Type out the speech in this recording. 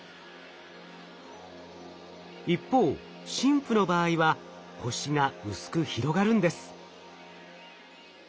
一方ＳＩＭＰの場合は星が薄く広がるんです。